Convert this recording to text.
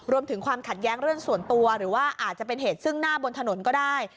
รวมถึงความขัดแย้งเรื่องส่วนตัวหรือว่าอาจจะเป็นเหตุซึ่งหน้าบนถนนก็ได้